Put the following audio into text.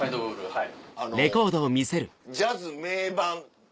はい。